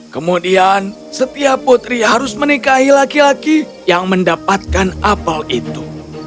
kemudian setiap putri harus menikahi laki laki yang mendapatkan apel itu